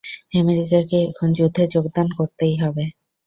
আমেরিকাকে এখন যুদ্ধে যোগদান করতেই হবে।